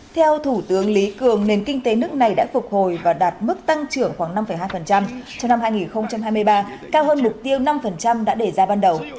theo thủ tướng lý cường nền kinh tế nước này đã phục hồi và đạt mức tăng trưởng khoảng năm hai trong năm hai nghìn hai mươi ba cao hơn mục tiêu năm đã để ra ban đầu